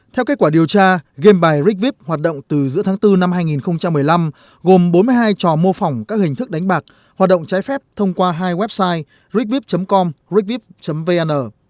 theo kết quả điều tra game bài rigvip hoạt động từ giữa tháng bốn năm hai nghìn một mươi năm gồm bốn mươi hai trò mô phỏng các hình thức đánh bạc hoạt động trái phép thông qua hai website rickvip com rigviv vn